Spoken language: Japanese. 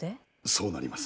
そうなります。